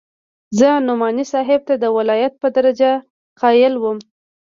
زه نعماني صاحب ته د ولايت په درجه قايل وم.